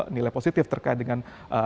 nilai positif terkait dengan